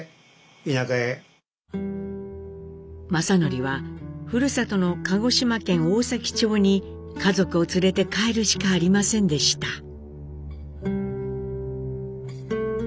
正徳はふるさとの鹿児島県大崎町に家族を連れて帰るしかありませんでした。